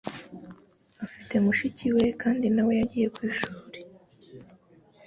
Afite mushiki we kandi na we yagiye ku ishuri.